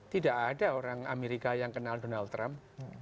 tidak ada orang amerika yang kenal donald trump